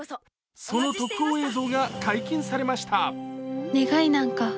その特報映像が解禁されました。